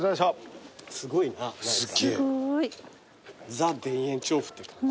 ザ・田園調布って感じ。